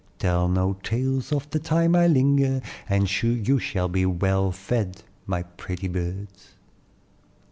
Tell no tales of the time I linger, and you shall be well fed, my pretty birds."